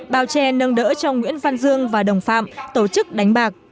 bào che nâng đỡ cho nguyễn văn dương và đồng phạm tổ chức đánh bạc